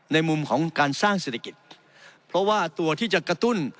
ในมุมของการสร้างเศรษฐกิจเพราะว่าตัวที่จะกระตุ้น